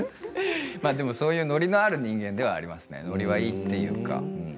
そういう乗りのある人間ではありますね、乗りはいいというか。